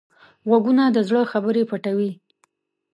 غوږونه د زړه خبرې پټوي